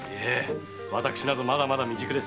私などまだまだ未熟です。